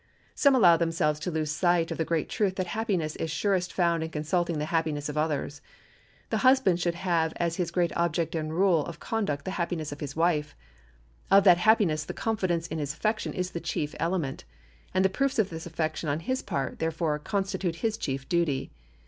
Some allow themselves to lose sight of the great truth that happiness is surest found in consulting the happiness of others. The husband should have as his great object and rule of conduct the happiness of his wife. Of that happiness the confidence in his affection is the chief element; and the proofs of this affection on his part, therefore, constitute his chief duty.